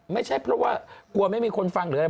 ไม่ใช่เพราะว่ากลัวไม่มีคนฟังหรืออะไร